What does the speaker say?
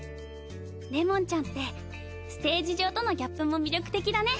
れもんちゃんってステージ上とのギャップも魅力的だね。